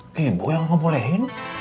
ini ibu yang membolehkan